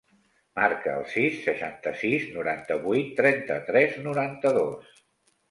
Marca el sis, seixanta-sis, noranta-vuit, trenta-tres, noranta-dos.